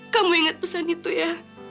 kamu ingat pesan itu ya